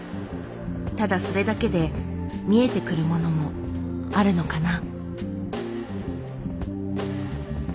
ただそれだけで見えてくるものもあるのかな。